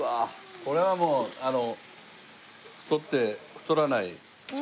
これはもうあの太って太らない食事。